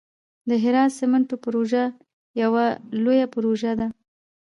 د هرات د سمنټو پروژه یوه لویه پروژه ده.